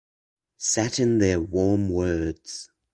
Sat in their warm words.